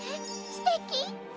すてき？